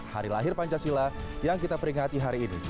hari lahir pancasila yang kita peringati hari ini